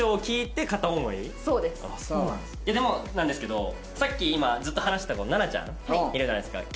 でもなんですけどさっき今ずっと話してた子７ちゃんいるじゃないですか。